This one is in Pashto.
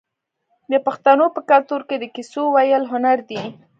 د پښتنو په کلتور کې د کیسو ویل هنر دی.